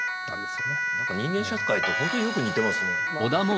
人間社会とほんとによく似てますね。